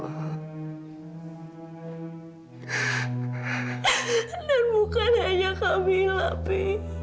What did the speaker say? dan bukan hanya kamilah pi